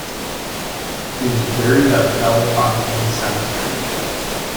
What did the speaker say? He was buried at Bellefontaine Cemetery.